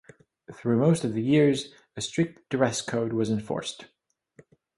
Through most of the years, a strict dress code was enforced.